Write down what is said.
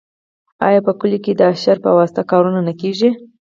آیا په کلیو کې د اشر په واسطه کارونه نه کیږي؟